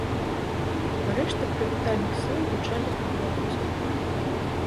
Рэшта прывітальных слоў гучалі па-беларуску.